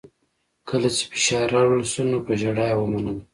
کله چې فشار راوړل شو نو په ژړا یې ومنله